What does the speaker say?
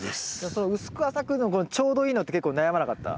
その薄く浅くのちょうどいいのって結構悩まなかった？